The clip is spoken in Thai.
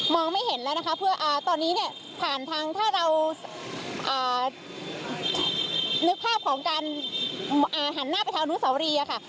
ไม่เห็นแล้วนะคะเพื่อตอนนี้เนี่ยผ่านทางถ้าเรานึกภาพของการหันหน้าไปทางอนุสาวรีค่ะ